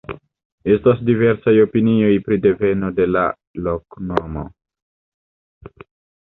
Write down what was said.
Estas diversaj opinioj pri deveno de la loknomo.